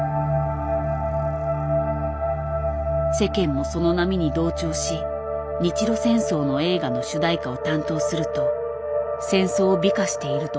世間もその波に同調し日露戦争の映画の主題歌を担当すると戦争を美化していると罵られた。